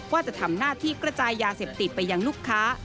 ว่าจะทำหน้าที่กระจายยาเสพติดไปยังลูกค้า